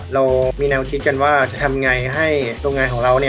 เรามีแนวคิดกันว่าจะทำไงให้โรงงานของเรา